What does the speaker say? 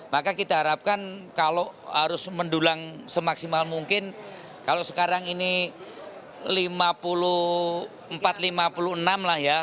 maka kita harapkan kalau harus mendulang semaksimal mungkin kalau sekarang ini lima puluh empat lima puluh enam lah ya